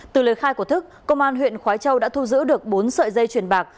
từ lời khai của thức công an huyện khói châu đã thu giữ được bốn sợi dây truyền bạc